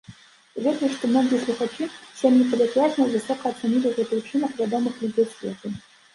Ведаю, што многія слухачы, сем'і палітвязняў высока ацанілі гэты ўчынак вядомых людзей свету.